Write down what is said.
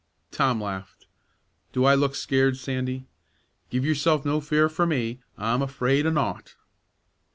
Tom laughed. "Do I looked scared, Sandy? Give yourself no fear for me; I'm afraid o' naught."